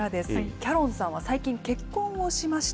キャロンさんは最近、結婚をしました。